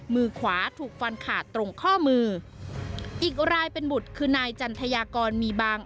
มือขวาถูกฟันขาดตรงข้อมืออีกรายเป็นบุตรคือนายจันทยากรมีบาง